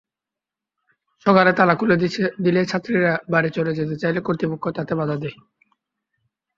সকালে তালা খুলে দিলে ছাত্রীরা বাড়ি চলে যেতে চাইলে কর্তৃপক্ষ তাতে বাধা দেয়।